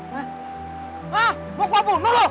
hah mau gue bunuh lo